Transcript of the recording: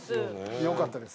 よかったです。